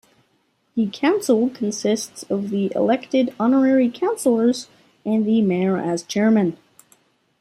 The council consists of the elected honorary councilors and the mayor as chairman.